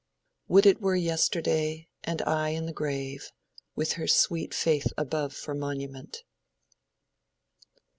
"Would it were yesterday and I i' the grave, With her sweet faith above for monument."